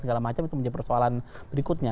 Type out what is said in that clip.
segala macam itu menjadi persoalan berikutnya